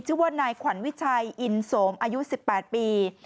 ชื่อว่านายขวัญวิชัยอินโสมอายุ๑๘ปี